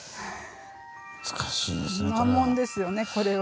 難問ですよねこれは。